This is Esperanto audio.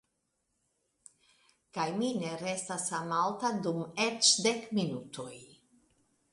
Kaj mi ne restas samalta dum eĉ dek minutoj.